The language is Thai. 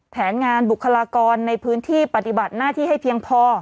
แผนงานบุคลากรในพื้นที่ปฏิบัติหน้าที่ให้เพียงพอ